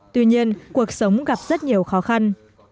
tuy nhiên cuộc sống gặp rất nhiều khó khăn